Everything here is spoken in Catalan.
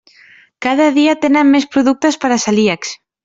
Cada dia tenen més productes per a celíacs.